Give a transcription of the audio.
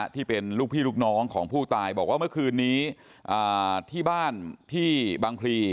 ที่เป็นลูกพี่ลูกน้องของผู้ตายบอกว่าเมื่อคืนนี้ที่บ้านที่บางพลี